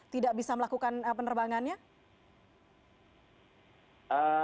tidak bisa melakukan penerbangannya